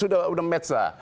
sudah sudah match lah